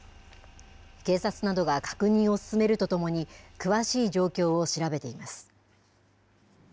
警察などが確認を進めるとともに、詳しい状況を調べています。